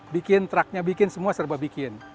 bikin truknya bikin semua serba bikin